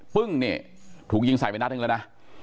ปึ้งเนี่ยถูกยิงใส่ไปนัดหนึ่งแล้วนะ